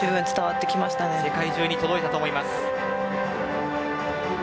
世界中に届いたと思います。